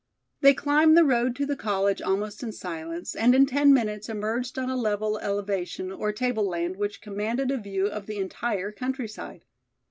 They climbed the road to the college almost in silence and in ten minutes emerged on a level elevation or table land which commanded a view of the entire countryside.